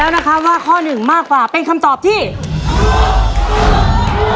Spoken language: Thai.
แล้ววันนี้ผมมีสิ่งหนึ่งนะครับเป็นตัวแทนกำลังใจจากผมเล็กน้อยครับ